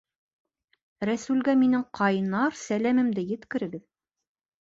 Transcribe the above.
Рәсүлгә минең ҡайнар сәләмемде еткерегеҙ